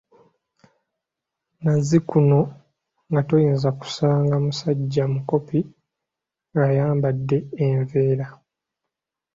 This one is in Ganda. Nazzikuno nga toyinza kusanga musajja mukopi ng‘ayambadde enveera.